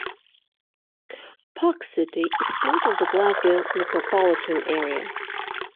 Park City is part of the Glasgow micropolitan area.